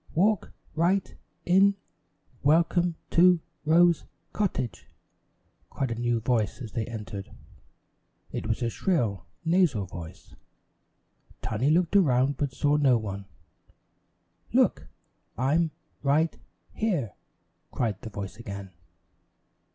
"Walk right in Welcome to Rose Cottage," cried a new voice as they entered. It was a shrill, nasal voice. Tiny looked around, but saw no one. "Look! I'm right here," cried the voice again.